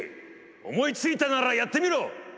思いついたならやってみろ！